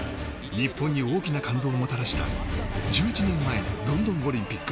日本に大きな感動をもたらした１１年前のロンドンオリンピック